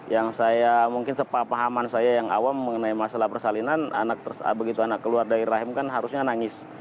yang saya mungkin sepahaman saya yang awam mengenai masalah persalinan begitu anak keluar dari rahim kan harusnya nangis